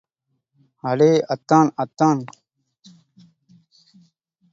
அடே அத்தான் அத்தான்.